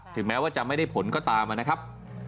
แม้ว่าจะไม่ได้ผลก็ตามนะครับ